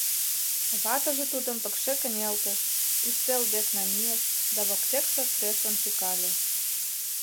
Ватыже тудым пыкше кынелтыш, ӱстел дек намийыш да воктекше креслым шӱкале.